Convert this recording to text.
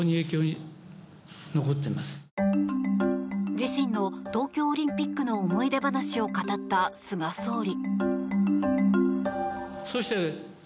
自身の東京オリンピックの思い出話を語った菅総理。